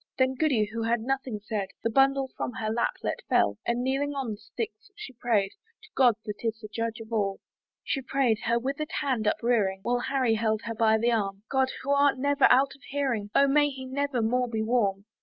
Then Goody, who had nothing said, Her bundle from her lap let fall; And kneeling on the sticks, she pray'd To God that is the judge of all. She pray'd, her wither'd hand uprearing, While Harry held her by the arm "God! who art never out of hearing, "O may he never more be warm!"